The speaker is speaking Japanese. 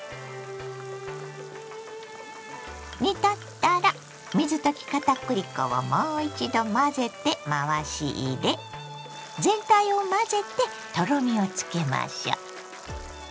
煮立ったら水溶き片栗粉をもう一度混ぜて回し入れ全体を混ぜてとろみをつけましょ。